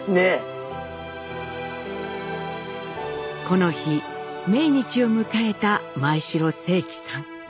この日命日を迎えた前城正祺さん。